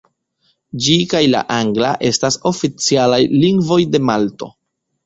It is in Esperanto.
Ĝi kaj la angla estas oficialaj lingvoj de Malto.